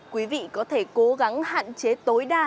quý vị có thể cố gắng hạn chế tối đa